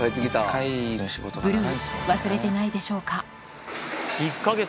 ブルー、忘れてないでしょうか。